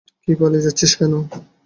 কি, পালিয়ে যাচ্ছিস কেন?